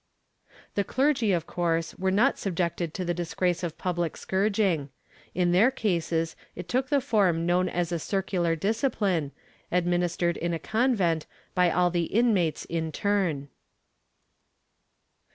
^ The clergy, of course, were not subjected to the disgrace of public scourging. In their cases it took the form known as a circular discipline, administered in a convent by all the inmates in turn.